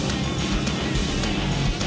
ayo balik semuanya